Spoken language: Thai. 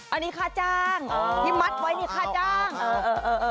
อันนี้ฆ่าจ้างอ๋อนี่มัดไว้นี่ฆ่าจ้างโอโอโอโอ